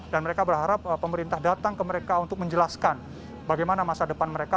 dan mereka berharap pemerintah datang ke mereka untuk menjelaskan bagaimana masa depan mereka